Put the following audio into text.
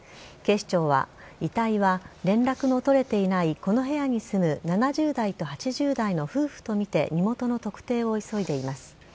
警視庁は、遺体は連絡の取れていないこの部屋に住む７０代と８０代の夫婦と見て身元の特定を急いでいます。